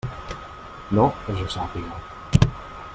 No, que jo sàpiga.